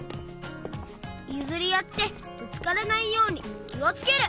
ゆずりあってぶつからないようにきをつける。